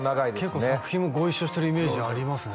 結構作品もご一緒してるイメージありますね